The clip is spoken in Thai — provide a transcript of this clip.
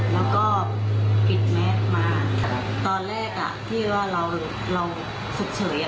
แล้วก็ปิดแมสมาตอนแรกอ่ะที่ว่าเราเราฉุกเฉิน